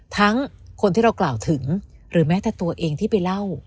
ทั้งคนที่เรากล่าวถึงหรือแม้แต่ตัวเองที่ไปเล่า